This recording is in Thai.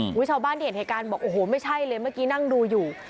ชาวบ้านที่เห็นเหตุการณ์บอกโอ้โหไม่ใช่เลยเมื่อกี้นั่งดูอยู่